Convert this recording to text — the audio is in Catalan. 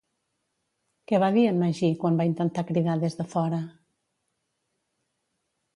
Què va dir en Magí quan va intentar cridar des de fora?